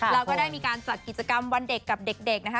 แล้วก็ได้มีการจัดกิจกรรมวันเด็กกับเด็กนะคะ